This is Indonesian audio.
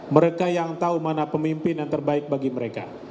mereka yang tahu mana pemimpin yang terbaik bagi mereka